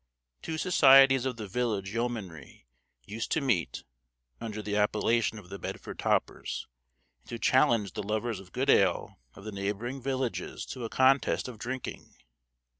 Two societies of the village yeomanry used to meet, under the appellation of the Bedford topers, and to challenge the lovers of good ale of the neighboring villages to a contest of drinking.